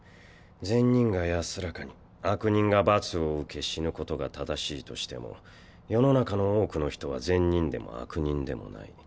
善人が安らかに悪人が罰を受け死ぬことが正しいとしても世の中の多くの人は善人でも悪人でもない。